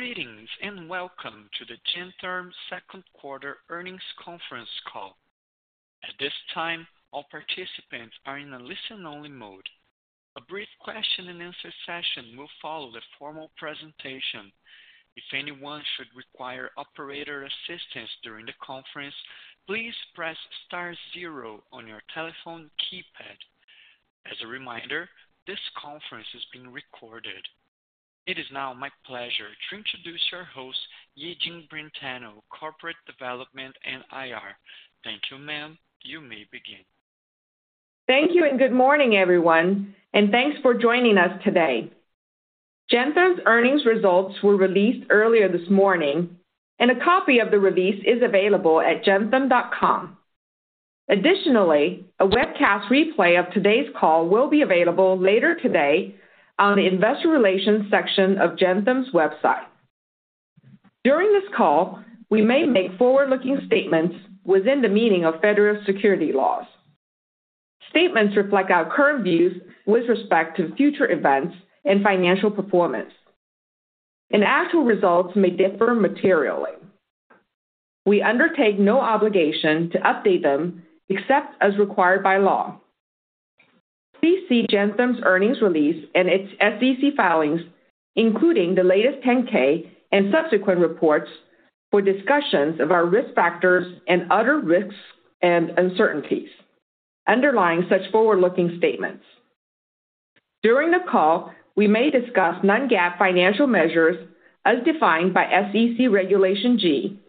Greetings. Welcome to the Gentherm Q2 earnings conference call. At this time, all participants are in a listen-only mode. A brief question and answer session will follow the formal presentation. If anyone should require operator assistance during the conference, please press star zero on your telephone keypad. As a reminder, this conference is being recorded. It is now my pleasure to introduce our host, Yijing Brentano, Corporate Development and IR. Thank you, ma'am. You may begin. Thank you, good morning, everyone, and thanks for joining us today. Gentherm's earnings results were released earlier this morning, and a copy of the release is available at gentherm.com. Additionally, a webcast replay of today's call will be available later today on the investor relations section of Gentherm's website. During this call, we may make forward-looking statements within the meaning of federal securities laws. Statements reflect our current views with respect to future events and financial performance, and actual results may differ materially. We undertake no obligation to update them except as required by law. Please see Gentherm's earnings release and its SEC filings, including the latest 10-K and subsequent reports, for discussions of our risk factors and other risks and uncertainties underlying such forward-looking statements. During the call, we may discuss non-GAAP financial measures as defined by SEC Regulation G,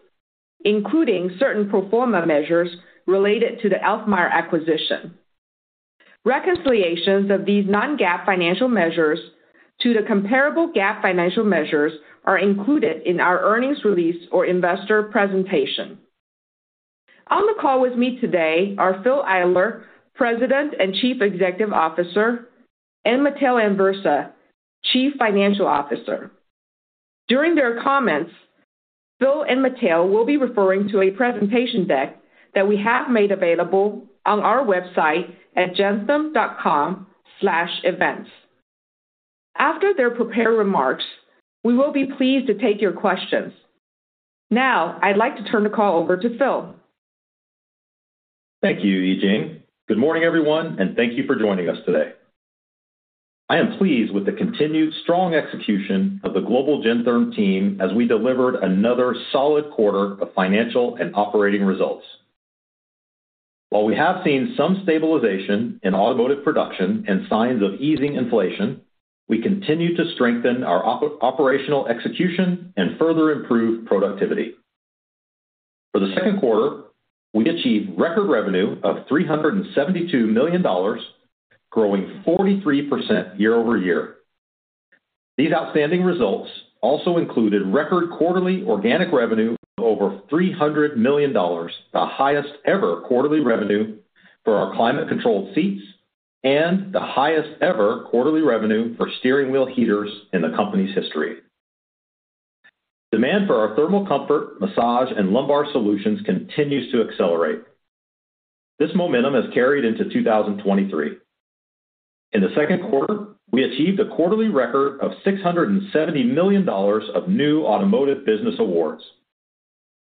including certain pro forma measures related to the Alfmeier acquisition. Reconciliations of these non-GAAP financial measures to the comparable GAAP financial measures are included in our earnings release or investor presentation. On the call with me today are Phil Eyler, President and Chief Executive Officer, and Matteo Anversa, Chief Financial Officer. During their comments, Phil and Matteo will be referring to a presentation deck that we have made available on our website at gentherm.com/events. After their prepared remarks, we will be pleased to take your questions. Now, I'd like to turn the call over to Phil. Thank you, Yijing. Good morning, everyone, thank you for joining us today. I am pleased with the continued strong execution of the global Gentherm team as we delivered another solid quarter of financial and operating results. While we have seen some stabilization in automotive production and signs of easing inflation, we continue to strengthen our operational execution and further improve productivity. For the Q2, we achieved record revenue of $372 million, growing 43% year-over-year. These outstanding results also included record quarterly organic revenue of over $300 million, the highest ever quarterly revenue for our climate-controlled seats and the highest ever quarterly revenue for steering wheel heaters in the company's history. Demand for our thermal comfort, massage, and lumbar solutions continues to accelerate. This momentum has carried into 2023. In the Q2, we achieved a quarterly record of $670 million of new automotive business awards.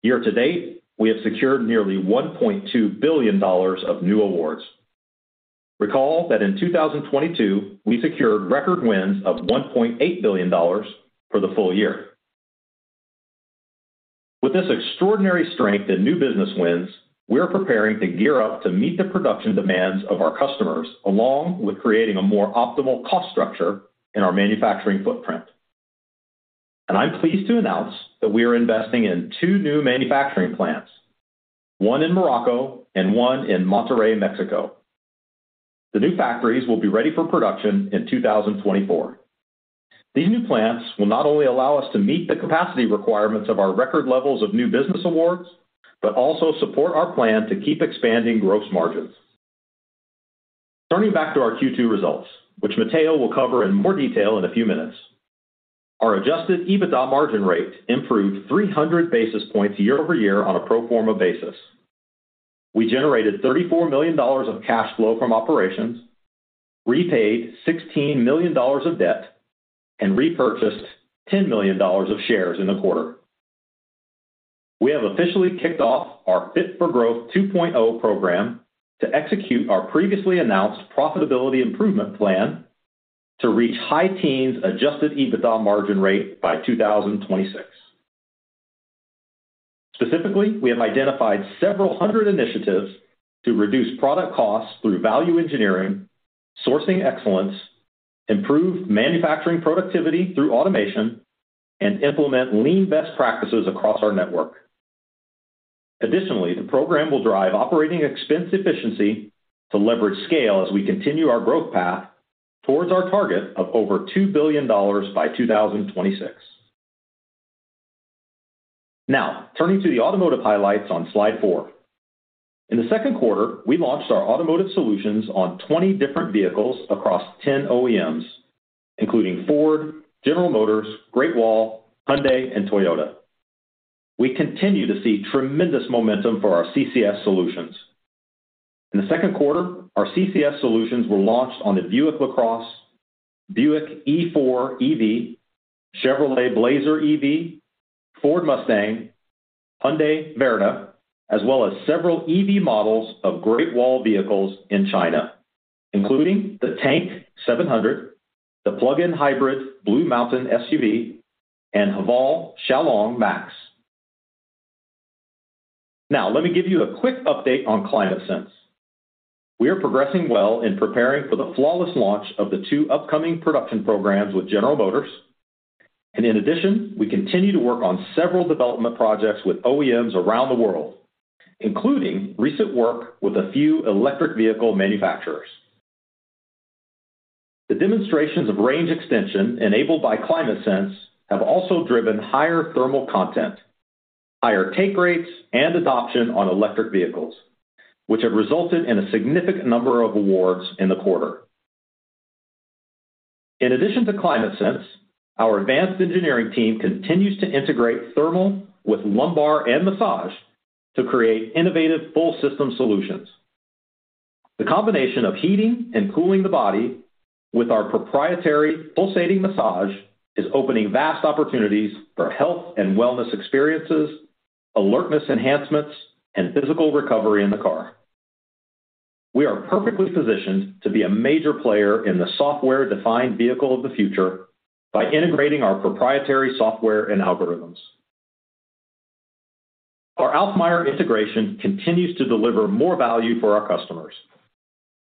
Year to date, we have secured nearly $1.2 billion of new awards. Recall that in 2022, we secured record wins of $1.8 billion for the full year. With this extraordinary strength in new business wins, we're preparing to gear up to meet the production demands of our customers, along with creating a more optimal cost structure in our manufacturing footprint. I'm pleased to announce that we are investing in two new manufacturing plants, one in Morocco and one in Monterrey, Mexico. The new factories will be ready for production in 2024, these new plants will not only allow us to meet the capacity requirements of our record levels of new business awards, but also support our plan to keep expanding gross margins. Turning back to our Q2 results, which Matteo will cover in more detail in a few minutes. Our Adjusted EBITDA margin rate improved 300 bps year-over-year on a pro forma basis. We generated $34 million of cash flow from operations, repaid $16 million of debt, and repurchased $10 million of shares in the quarter. We have officially kicked off our Fit-for-Growth 2.0 program to execute our previously announced profitability improvement plan to reach high teens Adjusted EBITDA margin rate by 2026. Specifically, we have identified several hundred initiatives to reduce product costs through value engineering, sourcing excellence, improve manufacturing productivity through automation, and implement lean best practices across our network. Additionally, the program will drive operating expense efficiency to leverage scale as we continue our growth path towards our target of over $2 billion by 2026. Now, turning to the automotive highlights on slide Four. In the Q2, we launched our automotive solutions on 20 different vehicles across 10 OEMs, including Ford, General Motors, Great Wall, Hyundai, and Toyota. We continue to see tremendous momentum for our CCS solutions. In the Q2, our CCS solutions were launched on the Buick LaCrosse, Buick E4 EV, Chevrolet Blazer EV, Ford Mustang, Hyundai Verna, as well as several EV models of Great Wall vehicles in China, including the Tank 700, the plug-in hybrid Blue Mountain SUV, and Haval Xiaolong Max. Let me give you a quick update on ClimateSense. We are progressing well in preparing for the flawless launch of the two upcoming production programs with General Motors, and in addition, we continue to work on several development projects with OEMs around the world, including recent work with a few electric vehicle manufacturers. The demonstrations of range extension enabled by ClimateSense have also driven higher thermal content, higher take rates, and adoption on electric vehicles, which have resulted in a significant number of awards in the quarter. In addition to ClimateSense, our advanced engineering team continues to integrate thermal with lumbar and massage to create innovative full system solutions. The combination of heating and cooling the body with our proprietary pulsating massage is opening vast opportunities for health and wellness experiences, alertness enhancements, and physical recovery in the car. We are perfectly positioned to be a major player in the software-defined vehicle of the future by integrating our proprietary software and algorithms. Our Alfmeier integration continues to deliver more value for our customers.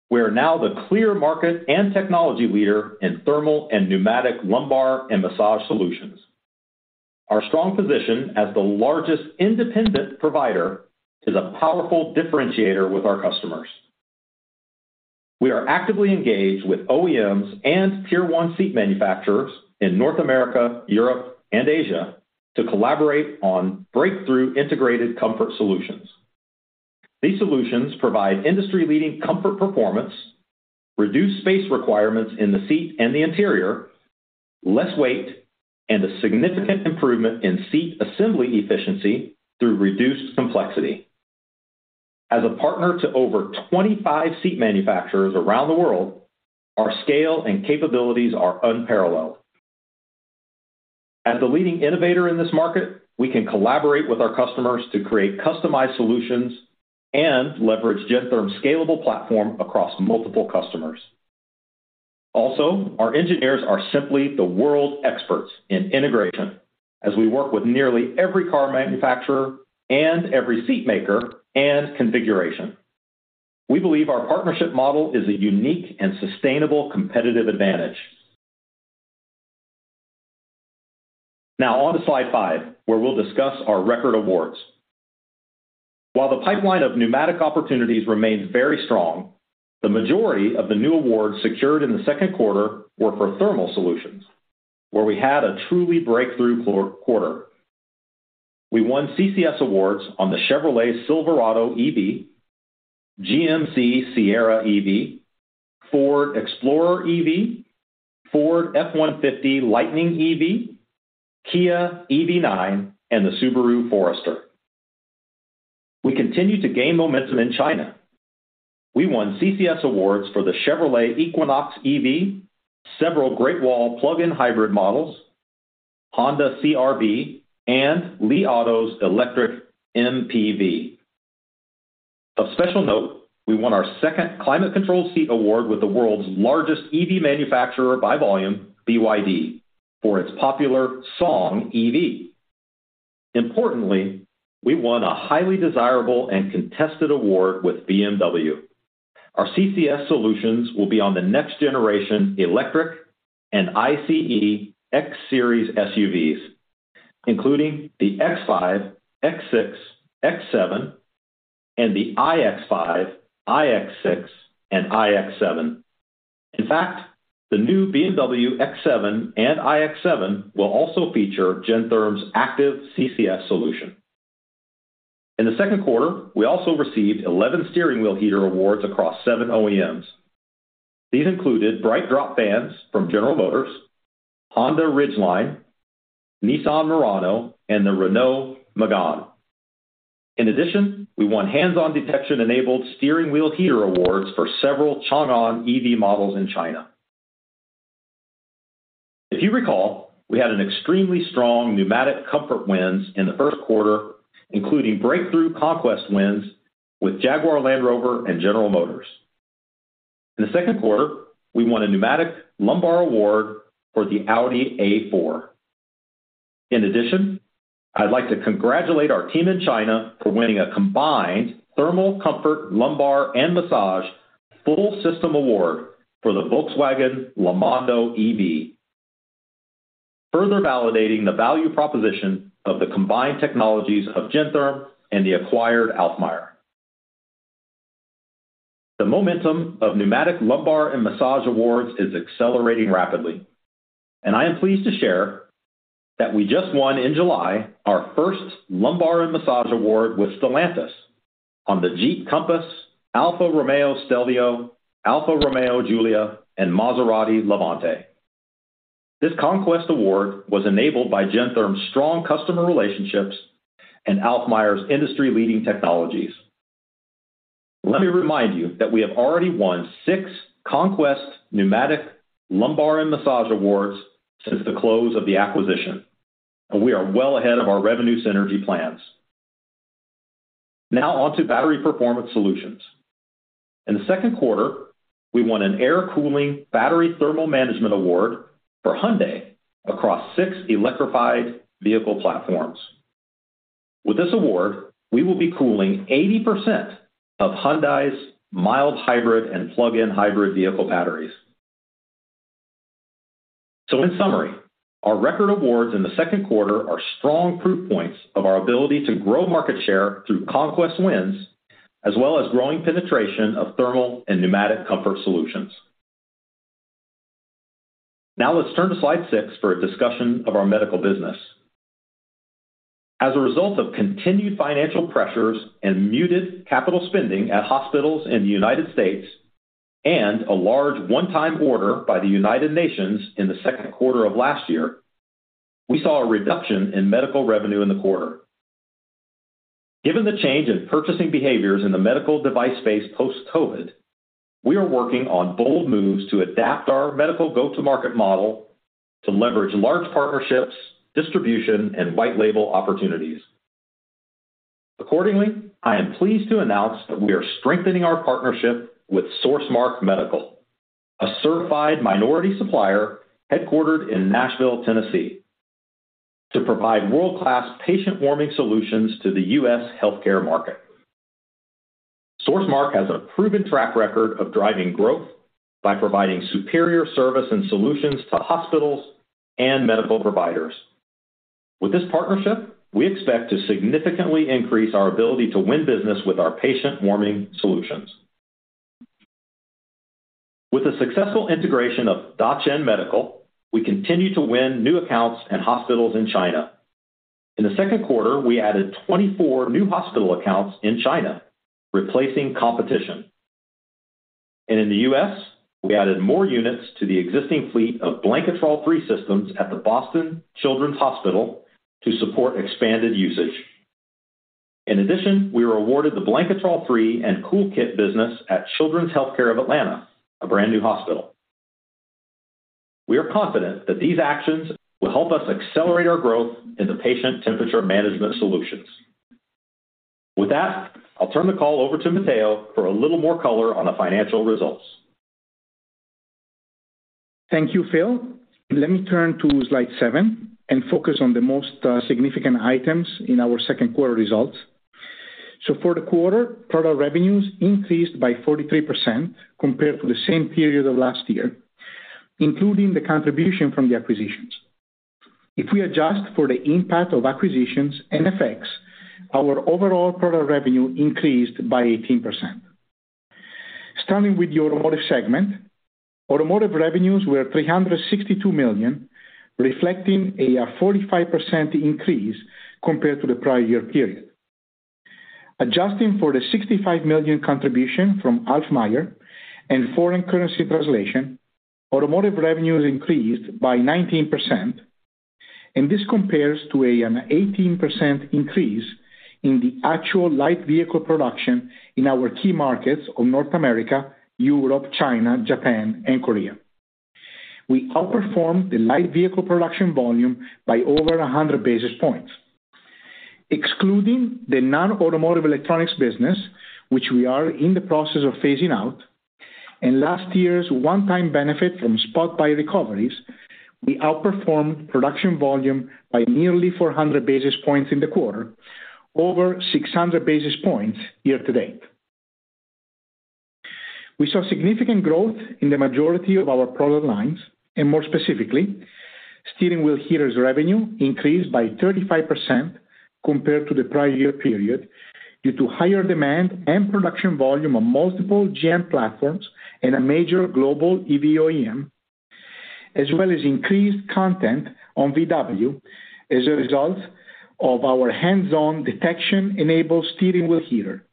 We are now the clear market and technology leader in thermal and pneumatic lumbar and massage solutions. Our strong position as the largest independent provider is a powerful differentiator with our customers. We are actively engaged with OEMs and tier one seat manufacturers in North America, Europe, and Asia to collaborate on breakthrough integrated comfort solutions. These solutions provide industry-leading comfort performance, reduced space requirements in the seat and the interior, less weight, and a significant improvement in seat assembly efficiency through reduced complexity. As a partner to over 25 seat manufacturers around the world, our scale and capabilities are unparalleled. As the leading innovator in this market, we can collaborate with our customers to create customized solutions and leverage Gentherm's scalable platform across multiple customers. Our engineers are simply the world experts in integration as we work with nearly every car manufacturer and every seat maker and configuration. We believe our partnership model is a unique and sustainable competitive advantage. Now, on to slide Five, where we'll discuss our record awards. While the pipeline of pneumatic opportunities remains very strong, the majority of the new awards secured in the Q2 were for thermal solutions, where we had a truly breakthrough quarter. We won CCS awards on the Chevrolet Silverado EV, GMC Sierra EV, Ford Explorer EV, Ford F-150 Lightning EV, Kia EV9, and the Subaru Forester. We continue to gain momentum in China. We won CCS awards for the Chevrolet Equinox EV, several Great Wall plug-in hybrid models, Honda CR-V, and Li Auto's electric MPV. Of special note, we won our second climate control seat award with the world's largest EV manufacturer by volume, BYD, for its popular Song EV. Importantly, we won a highly desirable and contested award with BMW. Our CCS solutions will be on the next generation electric and ICE X series SUVs, including the X5, X6, X7, and the iX5, iX6, and iX7. In fact, the new BMW X7 and iX7 will also feature Gentherm's active CCS solution. In the Q2, we also received 11 steering wheel heater awards across seven OEMs. These included BrightDrop Vans from General Motors, Honda Ridgeline, Nissan Murano, and the Renault Megane. In addition, we won hands-on detection-enabled steering wheel heater awards for several Changan EV models in China. If you recall, we had an extremely strong pneumatic comfort wins in the Q1, including breakthrough conquest wins with Jaguar Land Rover and General Motors. In the Q2, we won a pneumatic lumbar award for the Audi A4. In addition, I'd like to congratulate our team in China for winning a combined thermal comfort, lumbar, and massage full system award for the Volkswagen Lamando EV, further validating the value proposition of the combined technologies of Gentherm and the acquired Alfmeier. The momentum of pneumatic lumbar and massage awards is accelerating rapidly, and I am pleased to share that we just won in July our first lumbar and massage award with Stellantis on the Jeep Compass, Alfa Romeo Stelvio, Alfa Romeo Giulia, and Maserati Levante. This conquest award was enabled by Gentherm's strong customer relationships and Alfmeier's industry-leading technologies. Let me remind you that we have already won six conquest pneumatic lumbar and massage awards since the close of the acquisition, and we are well ahead of our revenue synergy plans. Now on to battery performance solutions. In the Q2, we won an air cooling battery thermal management award for Hyundai across six electrified vehicle platforms. With this award, we will be cooling 80% of Hyundai's mild hybrid and plug-in hybrid vehicle batteries. In summary, our record awards in the Q2 are strong proof points of our ability to grow market share through conquest wins, as well as growing penetration of thermal and pneumatic comfort solutions. Now let's turn to slide Six for a discussion of our medical business. As a result of continued financial pressures and muted capital spending at hospitals in the United States, and a large one-time order by the United Nations in the Q2 of last year, we saw a reduction in medical revenue in the quarter. Given the change in purchasing behaviors in the medical device space post-COVID, we are working on bold moves to adapt our medical go-to-market model to leverage large partnerships, distribution, and white label opportunities. Accordingly, I am pleased to announce that we are strengthening our partnership with SourceMark Medical, a certified minority supplier headquartered in Nashville, Tennessee, to provide world-class patient warming solutions to the U.S. healthcare market. SourceMark has a proven track record of driving growth by providing superior service and solutions to hospitals and medical providers. With this partnership, we expect to significantly increase our ability to win business with our patient warming solutions. With the successful integration of Dacheng Medical, we continue to win new accounts and hospitals in China. In the Q2, we added 24 new hospital accounts in China, replacing competition. In the U.S., we added more units to the existing fleet of Blanketrol Three systems at the Boston Children's Hospital to support expanded usage. In addition, we were awarded the Blanketrol Three and Kool-Kit business at Children's Healthcare of Atlanta, a brand-new hospital. We are confident that these actions will help us accelerate our growth in the patient temperature management solutions. With that, I'll turn the call over to Matteo for a little more color on the financial results. Thank you, Phil. Let me turn to slide Seven and focus on the most significant items in our Q2 results. For the quarter, product revenues increased by 43% compared to the same period of last year, including the contribution from the acquisitions. If we adjust for the impact of acquisitions and effects, our overall product revenue increased by 18%. Starting with the automotive segment, automotive revenues were $362 million, reflecting a 45% increase compared to the prior year period. Adjusting for the $65 million contribution from Alfmeier and foreign currency translation, automotive revenues increased by 19%, and this compares to an 18% increase in the actual light vehicle production in our key markets of North America, Europe, China, Japan, and Korea. We outperformed the light vehicle production volume by over 100 bps, excluding the non-automotive electronics business, which we are in the process of phasing out, and last year's one-time benefit from spot buy recoveries, we outperformed production volume by nearly 400 bps in the quarter, over 600 bps year-to-date. More specifically, steering wheel heaters revenue increased by 35% compared to the prior year period, due to higher demand and production volume on multiple GM platforms and a major global EV OEM, as well as increased content on VW as a result of our hands-on detection-enabled steering wheel heater.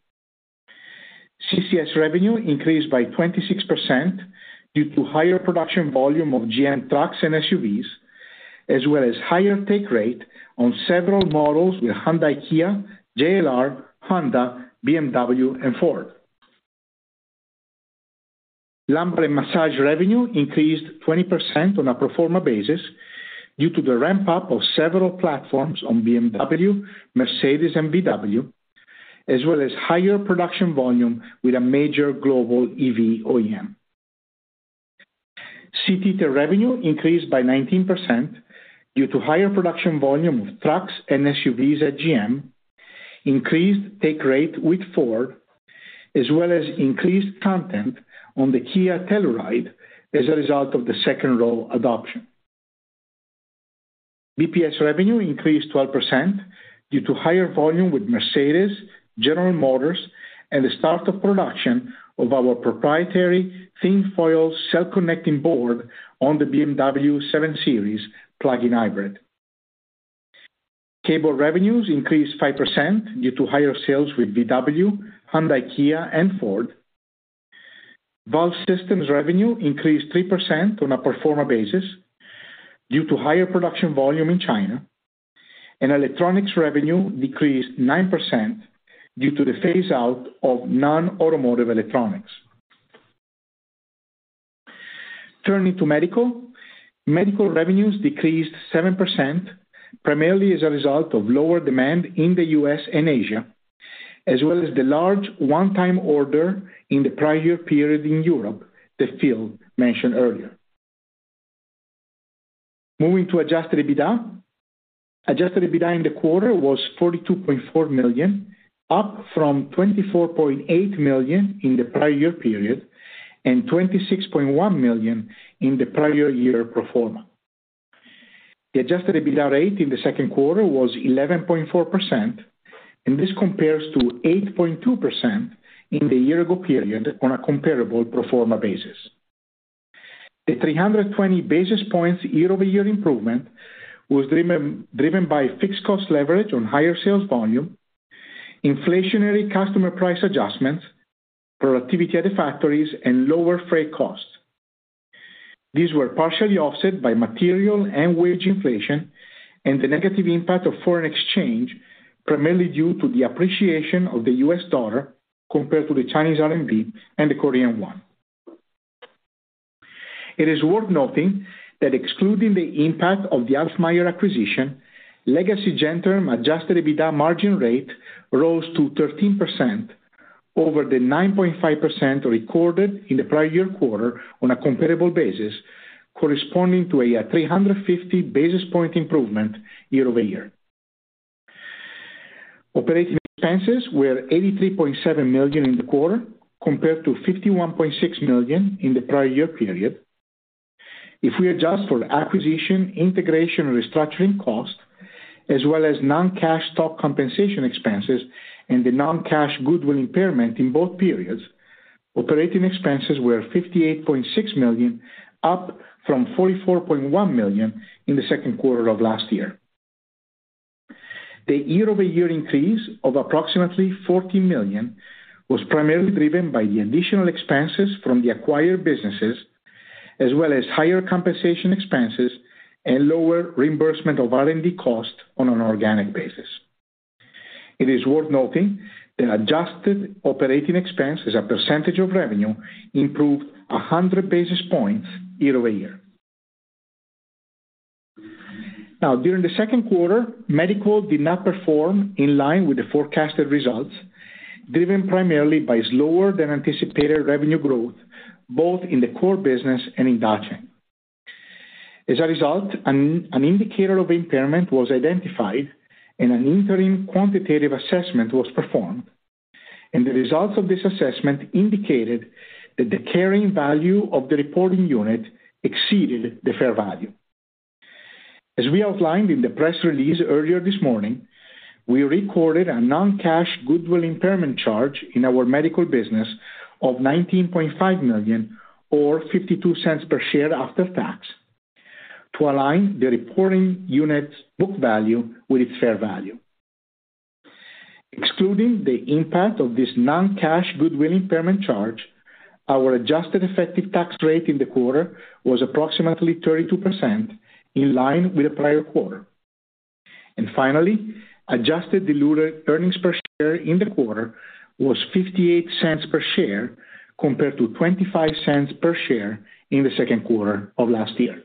CCS revenue increased by 26% due to higher production volume of GM trucks and SUVs, as well as higher take rate on several models with Hyundai, Kia, JLR, Honda, BMW, and Ford. Lumbar and massage revenue increased 20% on a pro forma basis due to the ramp-up of several platforms on BMW, Mercedes, and VW, as well as higher production volume with a major global EV OEM. Seat heater revenue increased by 19% due to higher production volume of trucks and SUVs at GM, increased take rate with Ford, as well as increased content on the Kia Telluride as a result of the second row adoption. BPS revenue increased 12% due to higher volume with Mercedes, General Motors, and the start of production of our proprietary thin foil cell connecting board on the BMW 7 Series plug-in hybrid. Cable revenues increased 5% due to higher sales with VW, Hyundai, Kia, and Ford. Valve Systems revenue increased 3% on a pro forma basis due to higher production volume in China. Electronics revenue decreased 9% due to the phase out of non-automotive electronics. Turning to medical. Medical revenues decreased 7%, primarily as a result of lower demand in the U.S. and Asia, as well as the large one-time order in the prior year period in Europe that Phil mentioned earlier. Moving to Adjusted EBITDA. Adjusted EBITDA in the quarter was $42.4 million, up from $24.8 million in the prior year period, and $26.1 million in the prior year pro forma. The Adjusted EBITDA rate in the Q2 was 11.4%, and this compares to 8.2% in the year-ago period on a comparable pro forma basis. The 320 bps year-over-year improvement was driven by fixed cost leverage on higher sales volume, inflationary customer price adjustments, productivity at the factories, and lower freight costs. These were partially offset by material and wage inflation and the negative impact of foreign exchange, primarily due to the appreciation of the US dollar compared to the Chinese RMB and the Korean won. It is worth noting that excluding the impact of the Alfmeier acquisition, legacy Gentherm Adjusted EBITDA margin rate rose to 13% over the 9.5% recorded in the prior year quarter on a comparable basis, corresponding to a 350 bps improvement year-over-year. Operating expenses were $83.7 million in the quarter, compared to $51.6 million in the prior year period. If we adjust for acquisition, integration, and restructuring costs, as well as non-cash stock compensation expenses and the non-Cash goodwill impairment in both periods, operating expenses were $58.6 million, up from $44.1 million in the Q2 of last year. The year-over-year increase of approximately $14 million was primarily driven by the additional expenses from the acquired businesses, as well as higher compensation expenses and lower reimbursement of R&D costs on an organic basis. It is worth noting that adjusted operating expense as a percentage of revenue improved 100 bps year-over-year. During the Q2, Medical did not perform in line with the forecasted results, driven primarily by slower than anticipated revenue growth, both in the core business and in Dacheng. As a result, an indicator of impairment was identified and an interim quantitative assessment was performed, and the results of this assessment indicated that the carrying value of the reporting unit exceeded the fair value. As we outlined in the press release earlier this morning, we recorded a non-cash goodwill impairment charge in our medical business of $19.5 million or $0.52 per share after tax, to align the reporting unit's book value with its fair value. Excluding the impact of this non-cash goodwill impairment charge, our adjusted effective tax rate in the quarter was approximately 32%, in line with the prior quarter. Finally, adjusted diluted earnings per share in the quarter was $0.58 per share, compared to $0.25 per share in the Q2 of last year.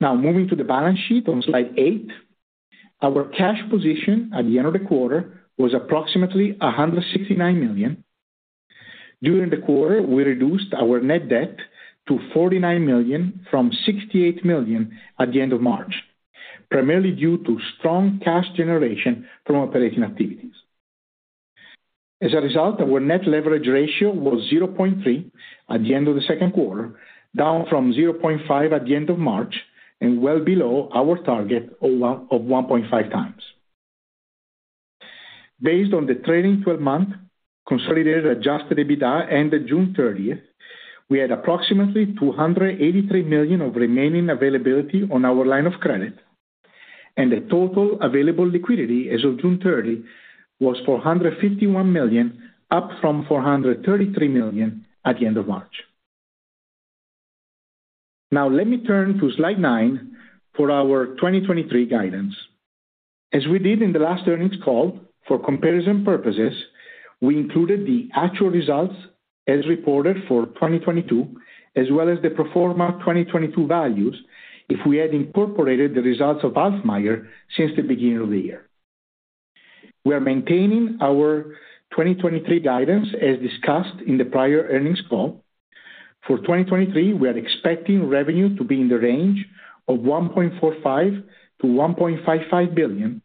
Moving to the balance sheet on slide Eigth. Our cash position at the end of the quarter was approximately $169 million. During the quarter, we reduced our net debt to $49 million from $68 million at the end of March, primarily due to strong cash generation from operating activities. As a result, our net leverage ratio was 0.3 at the end of the Q2, down from 0.5 at the end of March and well below our target of 1.5 times. Based on the trailing twelve-month consolidated Adjusted EBITDA and the June 30th, we had approximately $283 million of remaining availability on our line of credit, and the total available liquidity as of June 30 was $451 million, up from $433 million at the end of March. Let me turn to slide Nine for our 2023 guidance. As we did in the last earnings call for comparison purposes, we included the actual results as reported for 2022, as well as the pro forma 2022 values if we had incorporated the results of Alfmeier since the beginning of the year. We are maintaining our 2023 guidance, as discussed in the prior earnings call. For 2023, we are expecting revenue to be in the range of $1.45 billion-$1.55 billion,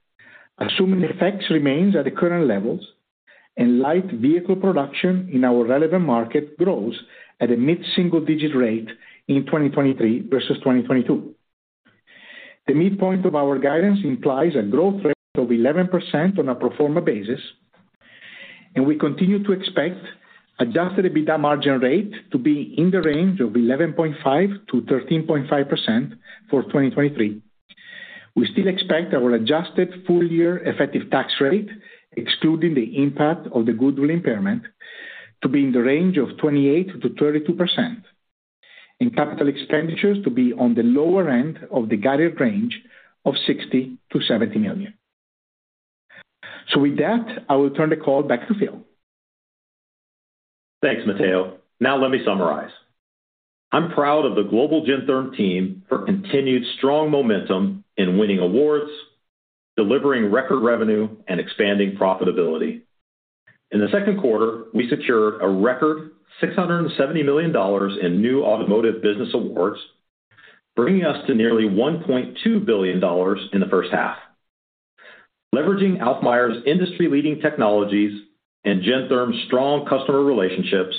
assuming the effects remains at the current levels and light vehicle production in our relevant market grows at a mid-single-digit rate in 2023 versus 2022. The midpoint of our guidance implies a growth rate of 11% on a pro forma basis.... We continue to expect Adjusted EBITDA margin rate to be in the range of 11.5%-13.5% for 2023. We still expect our adjusted full-year effective tax rate, excluding the impact of the goodwill impairment, to be in the range of 28%-32%, and capital expenditures to be on the lower end of the guided range of $60 million-$70 million. With that, I will turn the call back to Phil. Thanks, Matteo. Now let me summarize. I'm proud of the global Gentherm team for continued strong momentum in winning awards, delivering record revenue, and expanding profitability. In the Q2, we secured a record $670 million in new automotive business awards, bringing us to nearly $1.2 billion in the first half. Leveraging Alfmeier's industry-leading technologies and Gentherm's strong customer relationships,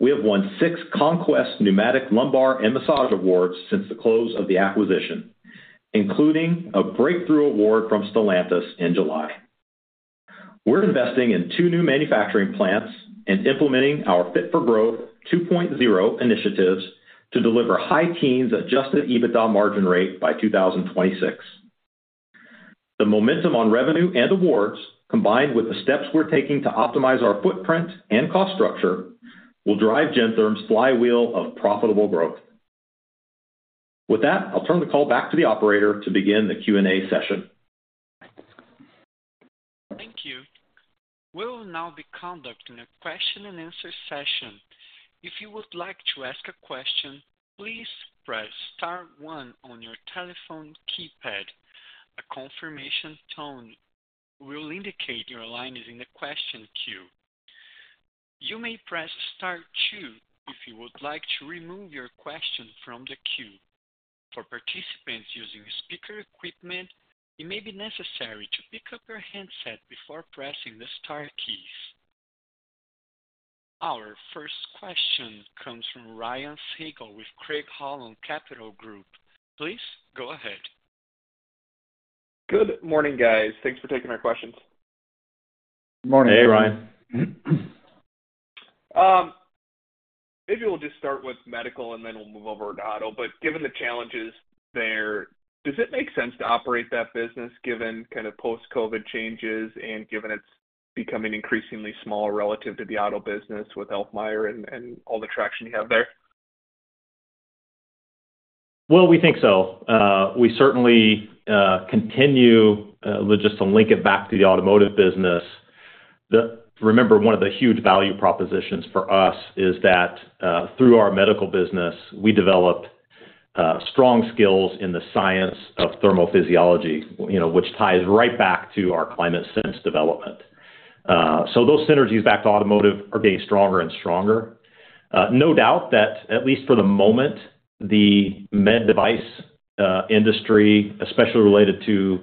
we have won six Conquest pneumatic lumbar and massage awards since the close of the acquisition, including a breakthrough award from Stellantis in July. We're investing in two new manufacturing plants and implementing our Fit-for-Growth 2.0 initiatives to deliver high teens Adjusted EBITDA margin rate by 2026. The momentum on revenue and awards, combined with the steps we're taking to optimize our footprint and cost structure, will drive Gentherm's flywheel of profitable growth. With that, I'll turn the call back to the operator to begin the Q&A session. Thank you. We will now be conducting a question-and-answer session. If you would like to ask a question, please press star 1 on your telephone keypad. A confirmation tone will indicate your line is in the question queue. You may press star 2 if you would like to remove your question from the queue. For participants using speaker equipment, it may be necessary to pick up your handset before pressing the star keys. Our first question comes from Ryan Sigdahl with Craig-Hallum Capital Group. Please go ahead. Good morning, guys. Thanks for taking our questions. Good morning. Hey, Ryan. Maybe we'll just start with medical, and then we'll move over to auto. Given the challenges there, does it make sense to operate that business, given kind of post-COVID changes and given it's becoming increasingly small relative to the auto business with Alfmeier and, and all the traction you have there? Well, we think so. We certainly, continue, just to link it back to the automotive business. Remember, one of the huge value propositions for us is that, through our medical business, we developed, strong skills in the science of thermal physiology, which ties right back to our ClimateSense development. So those synergies back to automotive are getting stronger and stronger. No doubt that, at least for the moment, the med device, industry, especially related to,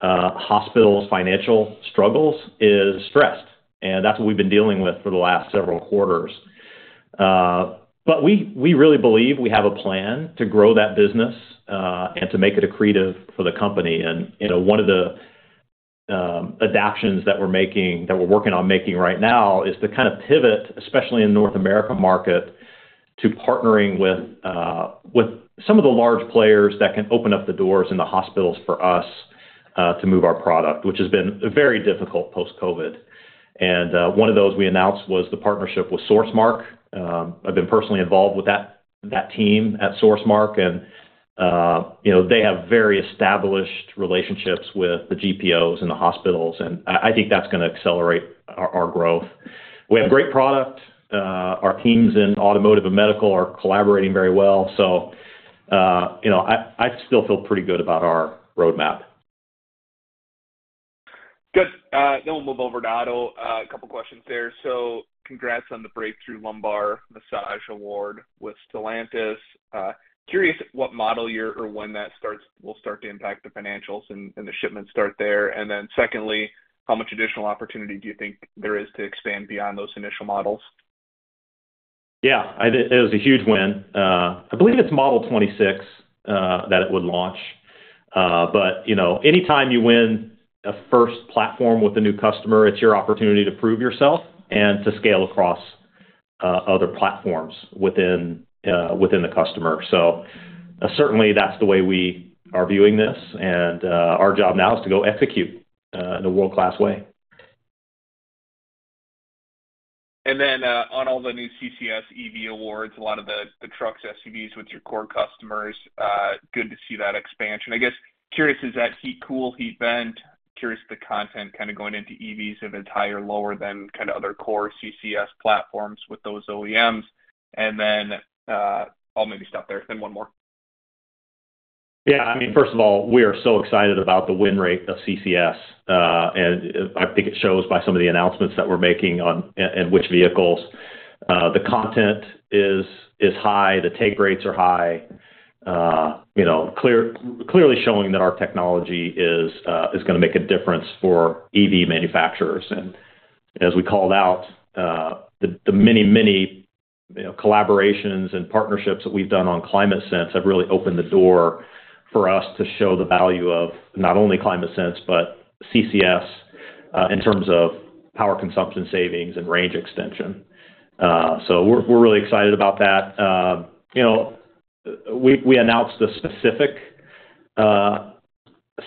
hospitals' financial struggles, is stressed, and that's what we've been dealing with for the last several quarters. But we, we really believe we have a plan to grow that business, and to make it accretive for the company. one of the adaptions that we're making, that we're working on making right now is to kind of pivot, especially in North America market, to partnering with some of the large players that can open up the doors in the hospitals for us to move our product, which has been very difficult post-COVID. One of those we announced was the partnership with SourceMark. I've been personally involved with that, that team at SourceMark and, they have very established relationships with the GPOs and the hospitals, and I, I think that's gonna accelerate our growth. We have great product. Our teams in automotive and medical are collaborating very well. I, I still feel pretty good about our roadmap. Good. We'll move over to auto. 2 questions there. Congrats on the breakthrough lumbar massage award with Stellantis. Curious what model year or when that will start to impact the financials and the shipments start there. Secondly, how much additional opportunity do you think there is to expand beyond those initial models? Yeah, I think it was a huge win. I believe it's model 26 that it would launch. anytime you win a first platform with a new customer, it's your opportunity to prove yourself and to scale across other platforms within within the customer. Certainly, that's the way we are viewing this, and our job now is to go execute in a world-class way. On all the new CCS EV awards, a lot of the, the trucks, SUVs with your core customers, good to see that expansion., curious, is that heat cool, heat vent? Curious the content kind of going into EVs, if it's higher, lower than kind of other core CCS platforms with those OEMs. I'll maybe stop there and one more. Yeah, I mean, first of all, we are so excited about the win rate of CCS, and I think it shows by some of the announcements that we're making on and, and which vehicles. The content is, is high, the take rates are high, clearly showing that our technology is gonna make a difference for EV manufacturers. As we called out, the, the many, collaborations and partnerships that we've done on ClimateSense have really opened the door for us to show the value of not only ClimateSense, but CCS, in terms of power consumption, savings, and range extension. We're, we're really excited about that. We, we announced the specific,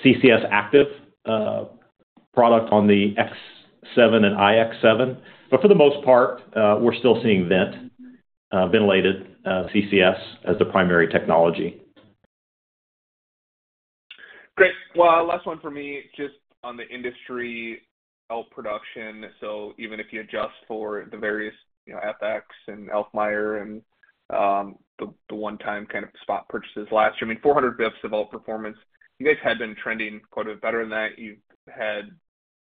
CCS active, product on the X7 and IX7, but for the most part, we're still seeing vent, ventilated, CCS as the primary technology. Great. Well, last one for me, just on the industry out production. Even if you adjust for the various, FX and Alfmeier and the, the one-time kind of spot purchases last year, I mean, 400 bps of outperformance. You guys had been trending quite a bit better than that. You've had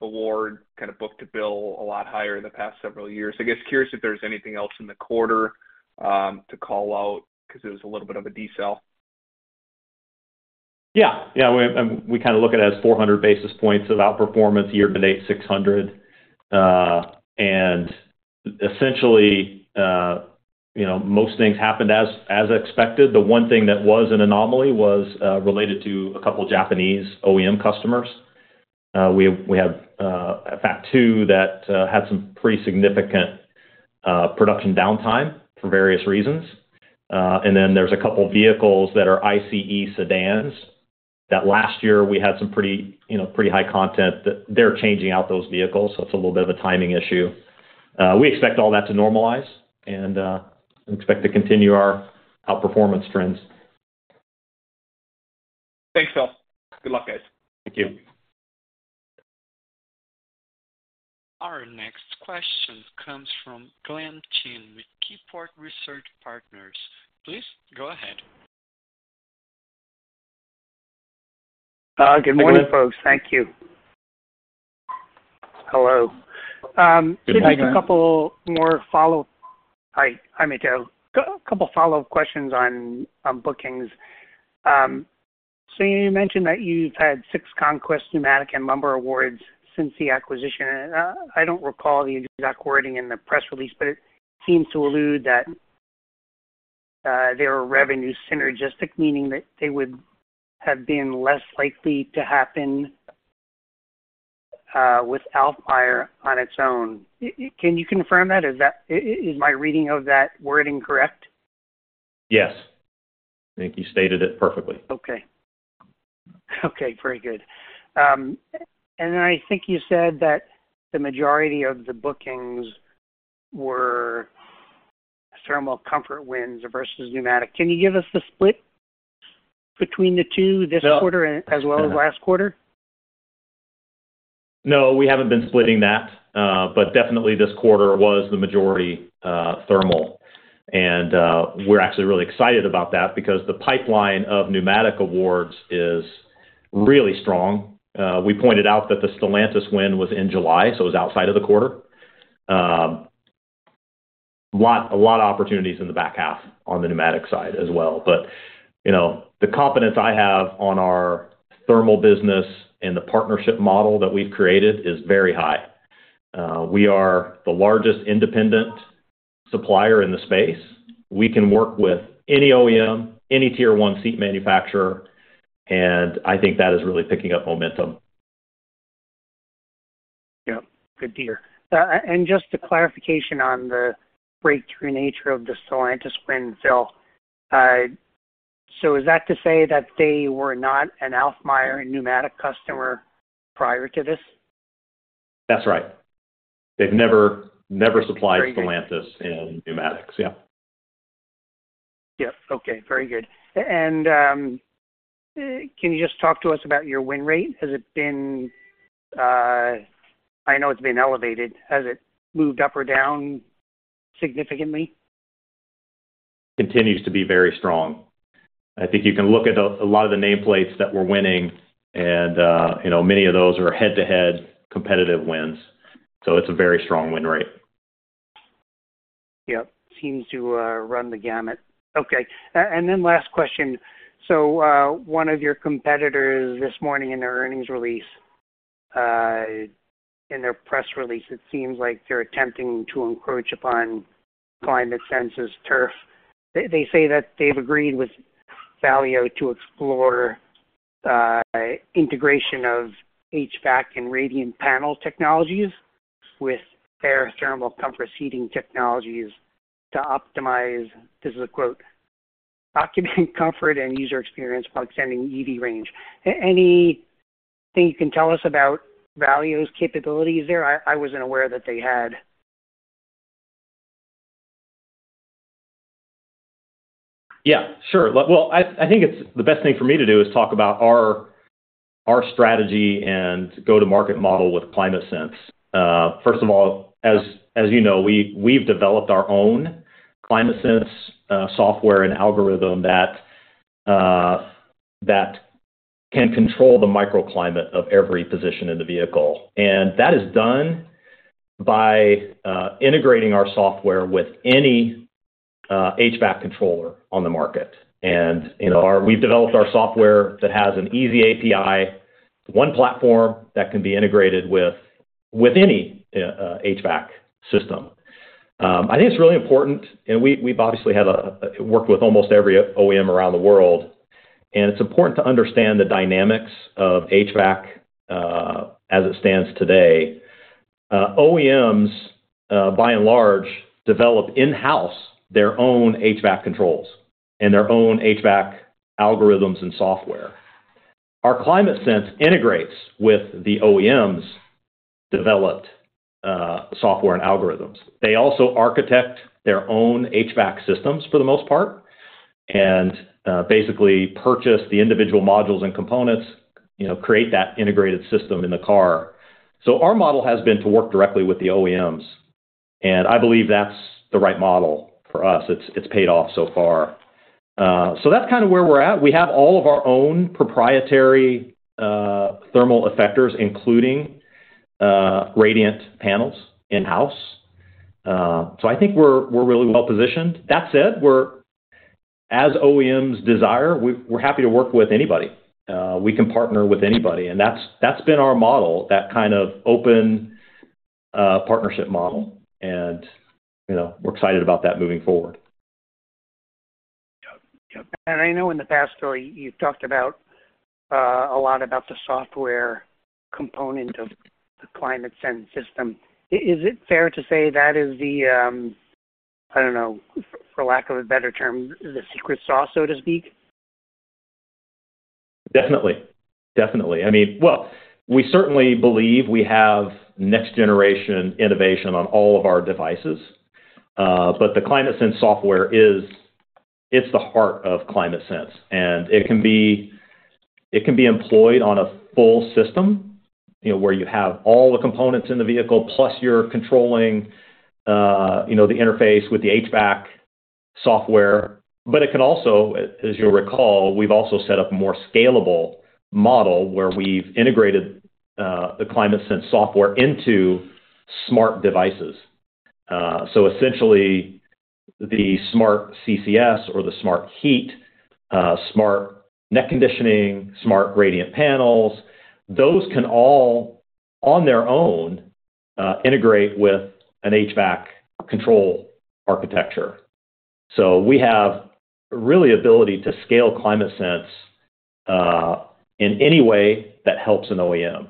award kind of book to bill a lot higher in the past several years., curious if there's anything else in the quarter to call out because it was a little bit of a decel. Yeah. Yeah, we kinda look at it as 400 bps of outperformance, year to date, 600. Essentially, most things happened as expected. The one thing that was an anomaly was related to a couple of Japanese OEM customers. We, we have, in fact, 2 that had some pretty significant production downtime for various reasons. Then there's a couple of vehicles that are ICE sedans, that last year we had some pretty, pretty high content that they're changing out those vehicles. It's a little bit of a timing issue. We expect all that to normalize and expect to continue our outperformance trends. Thanks, Phil. Good luck, guys. Thank you. Our next question comes from Glenn Chin with Seaport Research Partners. Please go ahead. Good morning, folks. Thank you. Hello. Good morning. just a couple more follow... Hi. Hi, Michael. A couple follow-up questions on, on bookings. So you mentioned that you've had six conquest, pneumatic, and lumbar awards since the acquisition, and I don't recall the exact wording in the press release, but it seems to allude that there were revenue synergistic, meaning that they would have been less likely to happen without Alfmeier on its own. Can you confirm that? Is my reading of that wording correct? Yes. I think you stated it perfectly. Okay. Okay, very good. I think you said that the majority of the bookings were thermal comfort wins versus pneumatic. Can you give us the split between the 2 this quarter as well as last quarter? No, we haven't been splitting that, but definitely this quarter was the majority, thermal. We're actually really excited about that because the pipeline of pneumatic awards is really strong. We pointed out that the Stellantis win was in July, so it was outside of the quarter. A lot of opportunities in the back half on the pneumatic side as well. the confidence I have on our thermal business and the partnership model that we've created is very high. We are the largest independent supplier in the space. We can work with any OEM, any tier one seat manufacturer, and I think that is really picking up momentum. Yeah. Good to hear. Just a clarification on the breakthrough nature of the Stellantis win, Phil. So is that to say that they were not an Alfmeier pneumatic customer prior to this? That's right. They've never, never supplied Stellantis in pneumatics. Yeah. Yeah. Okay, very good. Can you just talk to us about your win rate? Has it been... I know it's been elevated. Has it moved up or down significantly? Continues to be very strong. I think you can look at a, a lot of the nameplates that we're winning and, many of those are head-to-head competitive wins, so it's a very strong win rate. Yeah. Seems to run the gamut. Okay, then last question. One of your competitors this morning in their earnings release, in their press release, it seems like they're attempting to encroach upon ClimateSense's turf. They, they say that they've agreed with Valeo to explore integration of HVAC and radiant panel technologies with their thermal comfort seating technologies to optimize, this is a quote, "occupant comfort and user experience while extending EV range." Anything you can tell us about Valeo's capabilities there? I, I wasn't aware that they had. Yeah, sure. Well, I, I think it's the best thing for me to do is talk about our, our strategy and go-to-market model with ClimateSense. First of all, as, as we've, we've developed our own ClimateSense software and algorithm that can control the microclimate of every position in the vehicle. That is done by integrating our software with any HVAC controller on the market. we've developed our software that has an easy API, one platform that can be integrated with any HVAC system. I think it's really important, and we, we've obviously worked with almost every OEM around the world, and it's important to understand the dynamics of HVAC as it stands today. OEMs, by and large, develop in-house their own HVAC controls and their own HVAC algorithms and software. Our ClimateSense integrates with the OEM's developed software and algorithms. They also architect their own HVAC systems for the most part, and basically purchase the individual modules and components, create that integrated system in the car. Our model has been to work directly with the OEMs, and I believe that's the right model for us. It's, it's paid off so far. That's kind of where we're at. We have all of our own proprietary thermal effectors, including radiant panels in-house. I think we're, we're really well positioned. That said, we're, as OEMs desire, we're happy to work with anybody. We can partner with anybody, and that's, that's been our model, that kind of open partnership model, and, we're excited about that moving forward. Yep. I know in the past, Troy, you've talked about a lot about the software component of the ClimateSense system. Is it fair to say that is the, I don't know, for lack of a better term, the secret sauce, so to speak? Definitely. we certainly believe we have next-generation innovation on all of our devices. But the ClimateSense software is, it's the heart of ClimateSense, and it can be, it can be employed on a full system, where you have all the components in the vehicle, plus you're controlling, the interface with the HVAC software. It can also, as you'll recall, we've also set up a more scalable model where we've integrated, the ClimateSense software into smart devices. So essentially, the smart CCS or the smart heat, smart neck conditioning, smart gradient panels, those can all, on their own, integrate with an HVAC control architecture. So we have really ability to scale ClimateSense, in any way that helps an OEM.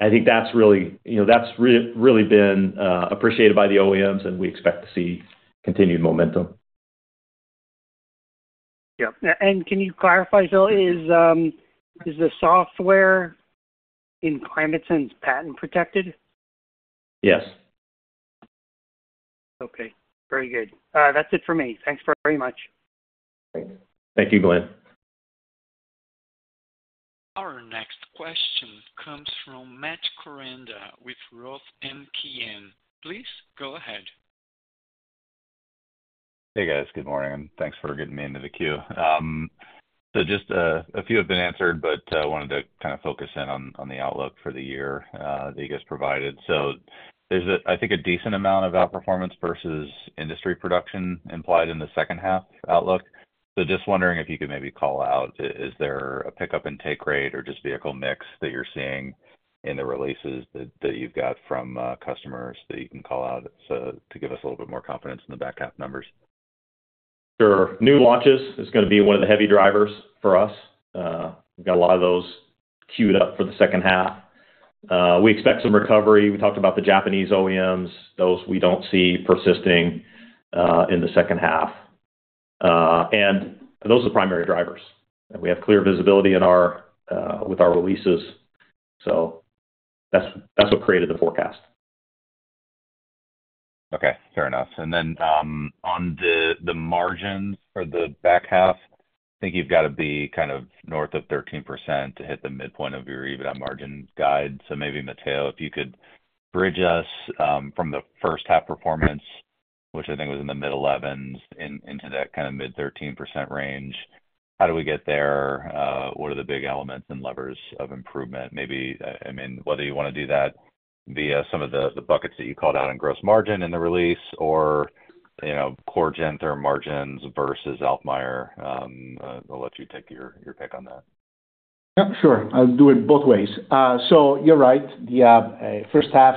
I think that's really, that's really been appreciated by the OEMs, and we expect to see continued momentum. Yep. Can you clarify, Phil, is the software in ClimateSense patent-protected? Yes. Okay, very good. That's it for me. Thanks very much. Thank you, Glenn. Our next question comes from Matt Koranda with Roth MKM. Please go ahead. Hey, guys. Good morning, and thanks for getting me into the queue. Just a, a few have been answered, but wanted to kind of focus in on, on the outlook for the year that you guys provided. There's a decent amount of outperformance versus industry production implied in the second half outlook. Just wondering if you could maybe call out, is there a pickup in take rate or just vehicle mix that you're seeing in the releases that, that you've got from customers that you can call out to, to give us a little bit more confidence in the back half numbers? Sure. New launches is gonna be one of the heavy drivers for us. We've got a lot of those queued up for the second half. We expect some recovery. We talked about the Japanese OEMs. Those we don't see persisting, in the second half. Those are the primary drivers, and we have clear visibility in our, with our releases. That's, that's what created the forecast. Okay, fair enough. Then, on the margins for the back half, I think you've got to be north of 13% to hit the midpoint of your EBITDA margin guide. Maybe, Matteo, if you could bridge us, from the first half performance, which I think was in the mid-11s, into that kind of mid-13% range. How do we get there? What are the big elements and levers of improvement? Whether you want to do that via some of the buckets that you called out in gross margin in the release or, Core Gentherm margins versus Alfmeier, I'll let you take your pick on that. Yep, sure. I'll do it both ways. So you're right. The first half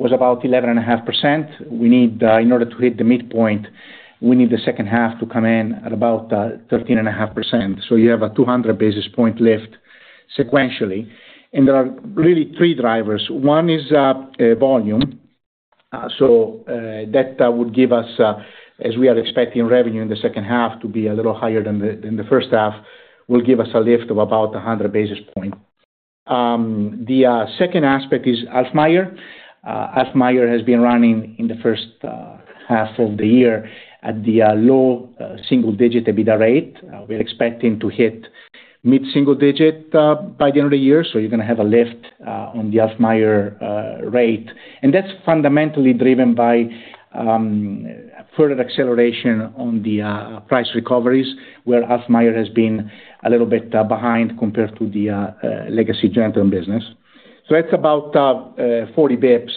was about 11.5%. We need in order to hit the midpoint, we need the second half to come in at about 13.5%. So you have a 200 bps lift sequentially. There are really three drivers. One is volume. So that would give us, as we are expecting revenue in the second half to be a little higher than the than the first half, will give us a lift of about 100 bps. The second aspect is Alfmeier. Alfmeier has been running in the first half of the year at the low single-digit EBITDA rate. We're expecting to hit mid single-digit by the end of the year, so you're gonna have a lift on the Alfmeier rate. That's fundamentally driven by further acceleration on the price recoveries, where Alfmeier has been a little bit behind compared to the legacy Gentherm business. That's about 40 BPS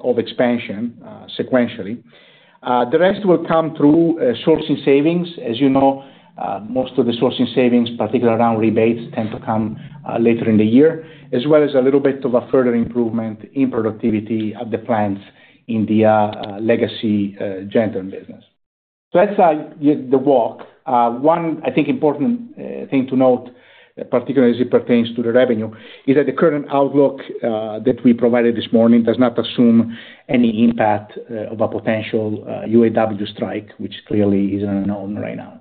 of expansion sequentially. The rest will come through sourcing savings. As most of the sourcing savings, particularly around rebates, tend to come later in the year, as well as a little bit of a further improvement in productivity at the plants in the legacy Gentherm business. That's the walk. One, I think, important thing to note, particularly as it pertains to the revenue, is that the current outlook that we provided this morning does not assume any impact of a potential UAW strike, which clearly is unknown right now.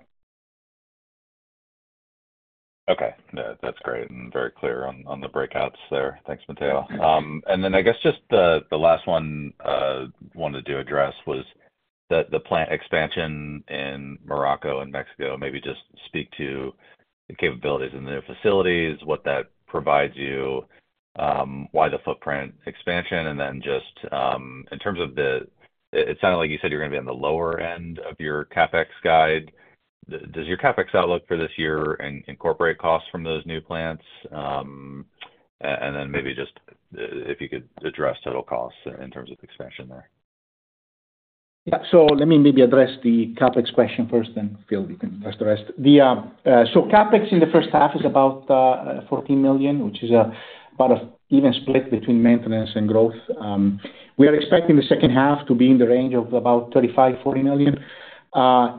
Okay. Yeah, that's great and very clear on, on the breakouts there. Thanks, Matteo. just the last one wanted to address was the plant expansion in Morocco and Mexico. Maybe just speak to the capabilities in the new facilities, what that provides you, why the footprint expansion, and then just, in terms of it sounded like you said you're gonna be on the lower end of your CapEx guide. Does your CapEx outlook for this year incorporate costs from those new plants? Maybe just, if you could address total costs in terms of expansion there. Yeah. Let me maybe address the CapEx question first, then Phil, you can address the rest. The CapEx in the first half is about $14 million, which is about an even split between maintenance and growth. We are expecting the second half to be in the range of about $35 million-$40 million,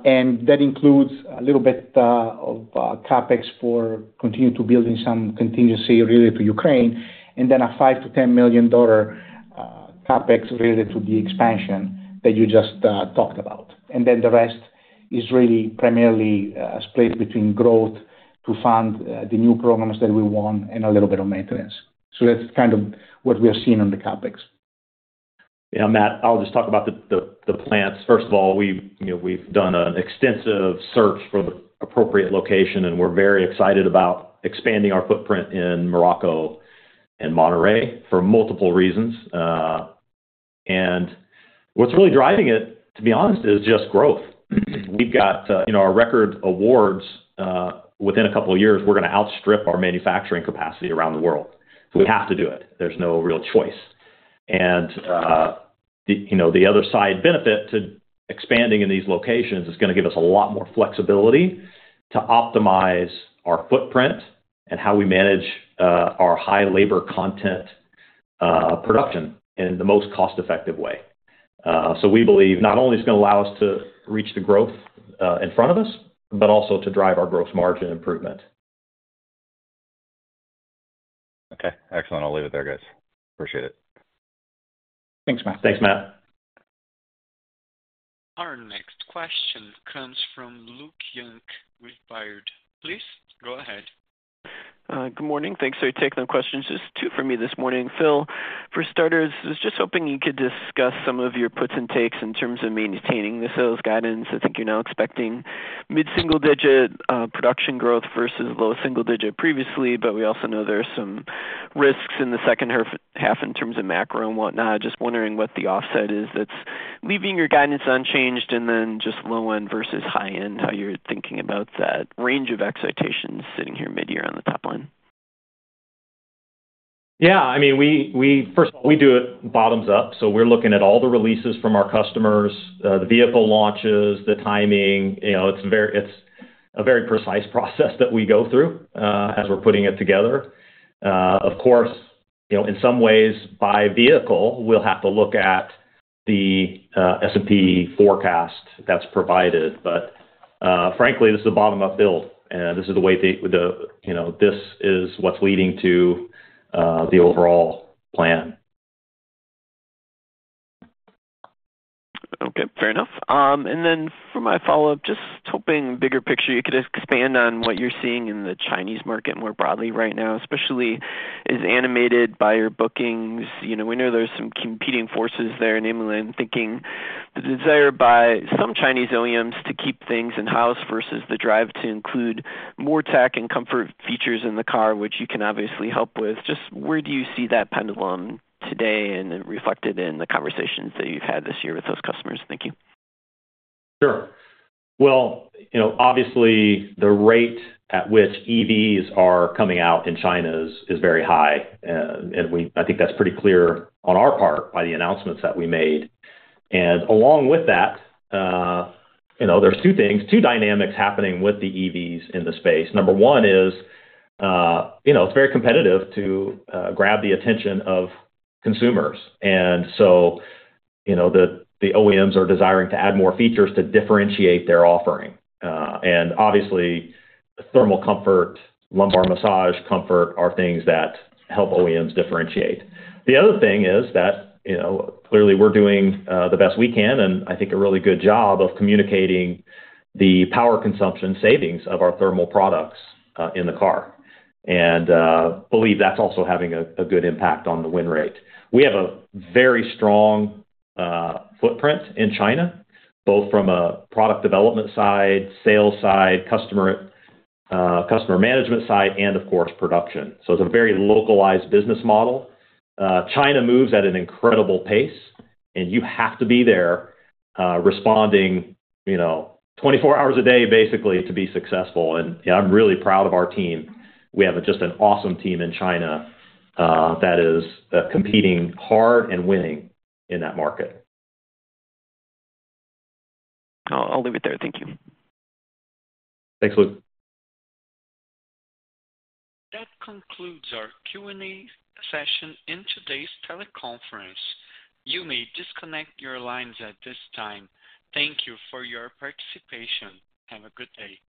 and that includes a little bit of CapEx for continuing to build in some contingency related to Ukraine, and then a $5 million-$10 million CapEx related to the expansion that you just talked about. The rest is really primarily split between growth to fund the new programs that we want and a little bit of maintenance. That's kind of what we are seeing on the CapEx. Yeah, Matt, I'll just talk about the, the, the plants. First of all, we've, we've done an extensive search for the appropriate location, and we're very excited about expanding our footprint in Morocco and Monterrey for multiple reasons. What's really driving it, to be honest, is just growth. We've got, our record awards, within a couple of years, we're gonna outstrip our manufacturing capacity around the world. We have to do it. There's no real choice. The, the other side benefit to expanding in these locations is gonna give us a lot more flexibility to optimize our footprint and how we manage our high labor content production in the most cost-effective way. We believe not only it's gonna allow us to reach the growth in front of us, but also to drive our growth margin improvement. Okay, excellent. I'll leave it there, guys. Appreciate it. Thanks, Matt. Thanks, Matt. Our next question comes from Luke Junk with Baird. Please go ahead. Good morning. Thanks for taking the questions. Just two for me this morning. Phil, for starters, I was just hoping you could discuss some of your puts and takes in terms of maintaining the sales guidance. I think you're now expecting mid-single digit production growth versus low single digit previously, but we also know there are some risks in the second half in terms of macro and whatnot. Just wondering what the offset is that's leaving your guidance unchanged, and then just low end versus high end, how you're thinking about that range of expectations sitting here mid-year on the top line? Yeah, I mean, we, we first of all, we do it bottom-up, so we're looking at all the releases from our customers, the vehicle launches, the timing. it's a very precise process that we go through as we're putting it together. Of course, in some ways, by vehicle, we'll have to look at the S&P forecast that's provided. Frankly, this is a bottom-up build, and this is the way, this is what's leading to the overall plan. Okay, fair enough. Then for my follow-up, just hoping bigger picture, you could expand on what you're seeing in the Chinese market more broadly right now, especially as animated by your bookings. we know there's some competing forces there, I'm thinking the desire by some Chinese OEMs to keep things in-house versus the drive to include more tech and comfort features in the car, which you can obviously help with. Just where do you see that pendulum today and reflected in the conversations that you've had this year with those customers? Thank you. Sure. Well, obviously, the rate at which EVs are coming out in China is, is very high, and I think that's pretty clear on our part by the announcements that we made. Along with that, there's two things, two dynamics happening with the EVs in the space. Number one is, it's very competitive to grab the attention of consumers. So, the, the OEMs are desiring to add more features to differentiate their offering. And obviously, thermal comfort, lumbar massage comfort, are things that help OEMs differentiate. The other thing is that, clearly we're doing the best we can, and I think a really good job of communicating the power consumption savings of our thermal products in the car. Believe that's also having a good impact on the win rate. We have a very strong footprint in China, both from a product development side, sales side, customer management side, and of course, production. It's a very localized business model. China moves at an incredible pace, and you have to be there, responding, 24 hours a day, basically, to be successful. I'm really proud of our team. We have just an awesome team in China, that is competing hard and winning in that market. I'll leave it there. Thank you. Thanks, Luke. That concludes our Q&A session in today's teleconference. You may disconnect your lines at this time. Thank you for your participation. Have a good day.